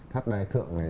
thắt đai thượng này